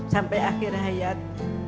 sampai akhir hayat